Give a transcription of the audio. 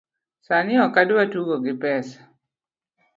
Sani ok adwa tugo gi pesa